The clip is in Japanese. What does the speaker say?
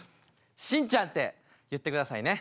しんちゃんって言ってくださいね。